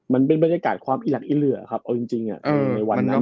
มันเป็นบรรยากาศความออกให้เรื่อยครับในวันนั้น